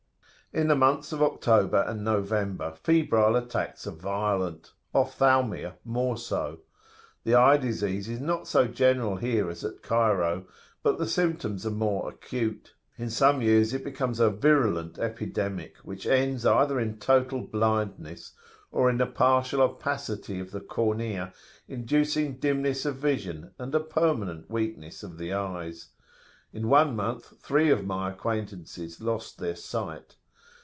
In the months of October and November febrile attacks are violent; ophthalmia more so. The eye disease is not so general here as at Cairo, but the symptoms are more acute; in some years it becomes a virulent epidemic, which ends either in total blindness or in a partial opacity of the cornea, inducing dimness of vision, and a permanent weakness of the eyes. In one month three of my acquaintances lost their sight.